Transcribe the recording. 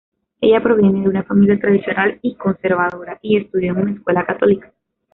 Ella proviene de una familia tradicional y conservadora y estudió en una escuela católica.